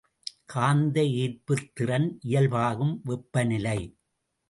காந்த ஏற்புத்திறன் இயல்பாகும் வெப்பநிலை.